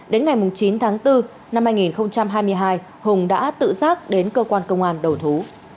đến ngày chín tháng bốn năm hai nghìn hai mươi hai hùng đã tự giác đến cơ quan công an đầu thú